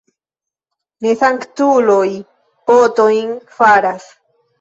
Ne sanktuloj potojn faras.